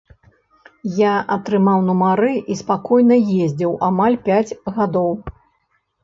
Я атрымаў нумары і спакойна ездзіў амаль пяць гадоў.